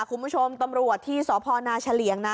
คุณผู้ชมตำรวจที่สนชลียังนะ